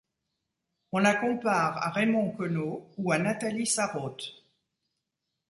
On la compare à Raymond Queneau, ou à Nathalie Sarraute.